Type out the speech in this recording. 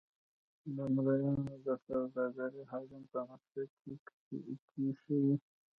د مریانو د سوداګرۍ حجم په نقشه کې ښيي.